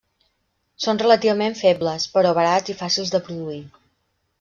Són relativament febles, però barats i fàcils de produir.